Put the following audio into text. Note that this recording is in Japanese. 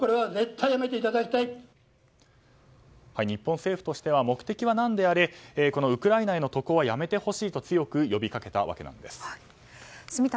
日本政府としては目的は何であれウクライナへの渡航はやめてほしいと強く呼びかけたわけなんです。